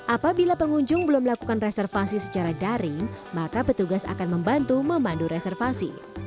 apabila pengunjung belum melakukan reservasi secara daring maka petugas akan membantu memandu reservasi